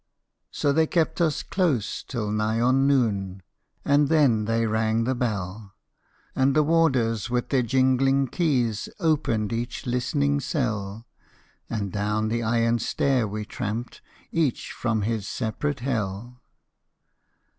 So they kept us close till nigh on noon, And then they rang the bell, And the Warders with their jingling keys Opened each listening cell, And down the iron stair we tramped, Each from his separate Hell.